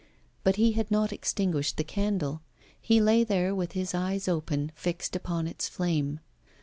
But he had not extinguished the candle, he lay there with his eyes open, fixed upon its flame.